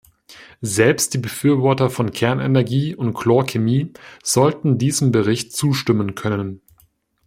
Selbst die Befürworter von Kernenergie und Chlorchemie sollten diesem Bericht zustimmen können.